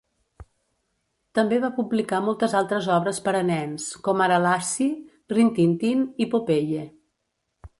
També va publicar moltes altres obres per a nens, com ara Lassie, Rin Tin Tin i Popeye.